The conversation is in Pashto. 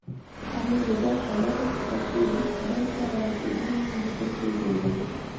هغوی د ده په لټه پسې دلته رارسېدلي وو، ځکه چې ژوبل وو.